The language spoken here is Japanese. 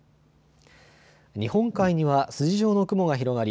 日本海には筋状の雲が広がり